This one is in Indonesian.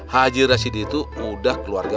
haji rashidi itu mudah keluarga